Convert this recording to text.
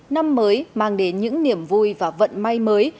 năm mới mang đến những niềm vui và vận may mới